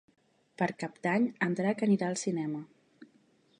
Per Cap d'Any en Drac anirà al cinema.